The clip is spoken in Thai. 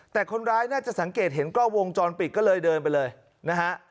แต่คนร้ายน่าจะสังเกตเห็นกล้องวงจรปิดก็เลยเดินไปเลยนะฮะ